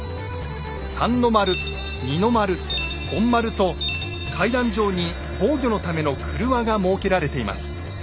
三の丸二の丸本丸と階段状に防御のための「くるわ」が設けられています。